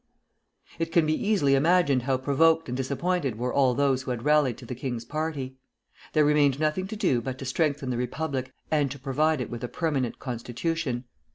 It can be easily imagined how provoked and disappointed were all those who had rallied to the king's party. There remained nothing to do but to strengthen the Republic and to provide it with a permanent constitution.